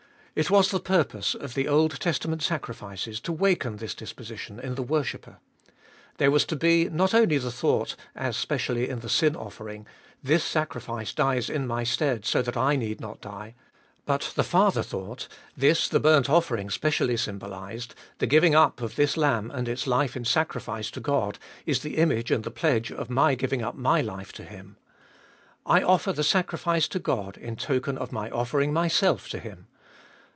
It was the purpose of the Old Testament sacrifices to waken this disposition in the worshipper. There was to be not only the thought — as specially in the sin offering — This sacrifice dies in my stead, so that I need not die. But the farther thought— TTbe iboltest of 2W 333 this the burnt offering specially symbolised — The giving up of this lamb and its life in sacrifice to God, is the image and the pledge of my giving up my life to Him. I offer the sacrifice to God, in token of my offering myself to Him.